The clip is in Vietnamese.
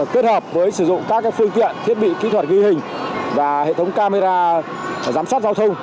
kết hợp với sử dụng các phương tiện thiết bị kỹ thuật ghi hình và hệ thống camera giám sát giao thông